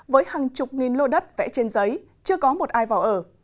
với hàng chục nghìn lô đất vẽ trên giấy chưa có một ai vào ở